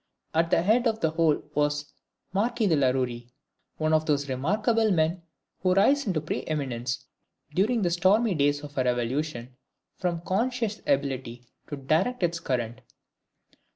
At the head of the whole was the Marquis de la Rouarie, one of those remarkable men who rise into pre eminence during the stormy days of a revolution, from conscious ability to direct its current.